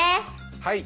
はい。